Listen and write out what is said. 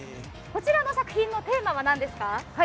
こちらの作品のテーマは何ですか？